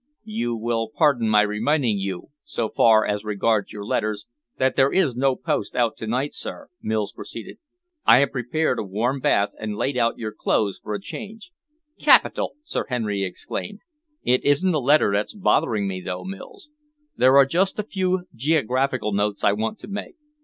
"You will pardon my reminding you, so far as regards your letters, that there is no post out tonight, sir," Mills proceeded. "I have prepared a warm bath and laid out your clothes for a change." "Capital!" Sir Henry exclaimed. "It isn't a letter that's bothering me, though, Mills. There are just a few geographical notes I want to make.